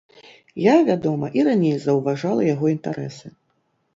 Я, вядома, і раней заўважала яго інтарэсы.